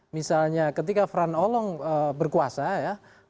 misalnya ketika fran olong berkuasa ya